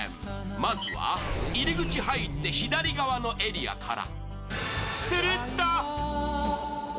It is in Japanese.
まずは入り口入って左側のエリアから。